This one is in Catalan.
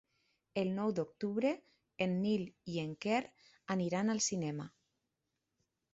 El nou d'octubre en Nil i en Quer iran al cinema.